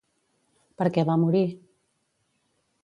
Per què va morir?